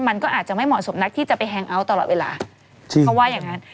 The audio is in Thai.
มันก็อาจจะไม่เหมาะสมนักที่จะไปแฮงอัลเตอร์ตลอดเวลาเพราะว่ายังงาน